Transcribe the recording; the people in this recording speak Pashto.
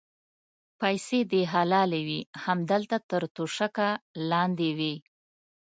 پیسې دې حلالې وې هملته تر توشکه لاندې وې.